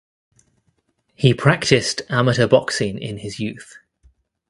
He practised amateur boxing in his youth.